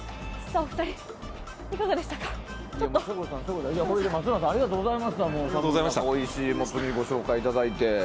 おいしいモツ煮をご紹介いただいて。